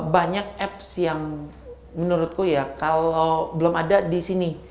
banyak apps yang menurutku ya kalau belum ada di sini